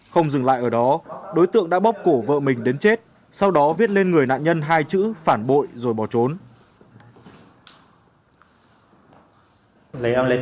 không dừng lại ở đó đối tượng đã bóc cổ vợ mình đến chết sau đó viết lên người nạn nhân hai chữ phản bội rồi bỏ trốn